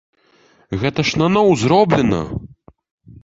Гэта ж наноў зроблена.